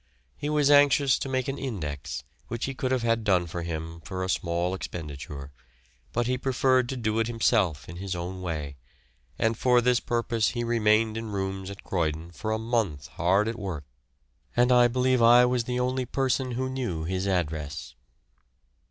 He was anxious to make an index, which he could have had done for him for a small expenditure, but he preferred to do it himself in his own way, and for this purpose he remained in rooms at Croydon for a month hard at work, and I believe I was the only person who knew his address.